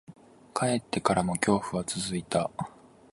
帰ってからも、恐怖は続いた。